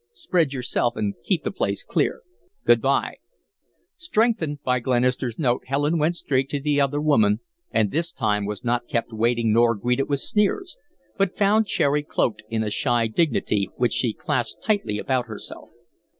Spread yourself and keep the place clear. Good bye." Strengthened by Glenister's note, Helen went straight to the other woman and this time was not kept waiting nor greeted with sneers, but found Cherry cloaked in a shy dignity, which she clasped tightly about herself.